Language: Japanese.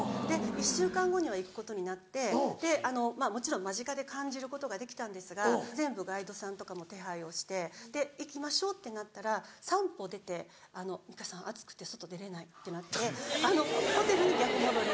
１週間後には行くことになってもちろん間近で感じることができたんですが全部ガイドさんとかも手配をしてで行きましょうってなったら３歩出て「美香さん暑くて外出れない」ってなってホテルに逆戻り。